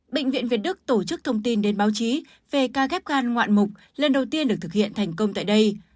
bệnh viện việt đức tổ chức thông tin đến báo chí về ca ghép gan ngoạn mục lần đầu tiên được thực hiện thành công tại đây